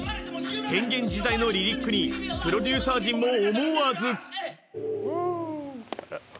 変幻自在のリリックにプロデューサー陣も思わず。